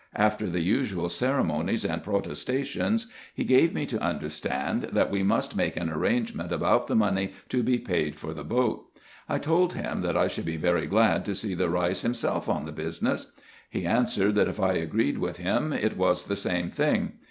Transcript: After the usual ceremonies and protestations, he gave me to understand, that we must make an arrangement about the money to be paid for the boat. I told him, that I should be very glad to see the Eeis himself on the business. He answered, that if I agreed with him, it was the same thing.